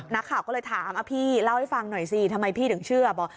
นักข่าวก็เลยถามพี่เล่าให้ฟังหน่อยสิทำไมพี่ถึงเชื่อบอก